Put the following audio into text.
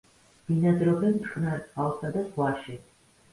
ბინადრობენ მტკნარ წყალსა და ზღვაში.